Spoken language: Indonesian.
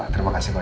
terima kasih pak